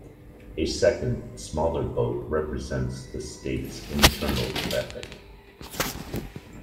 A second, smaller boat represents the state's internal traffic.